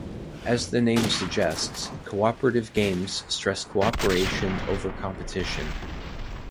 As the name suggests, cooperative games stress cooperation over competition.